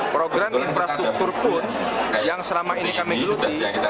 program infrastruktur pun yang selama ini kami geluti